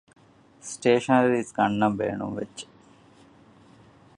ސްޓޭޝަނަރީޒް ގަންނަން ބޭނުންވެއްޖެ